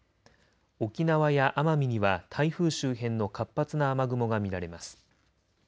沖縄や奄美には台風周辺の活発な雨雲が見られます。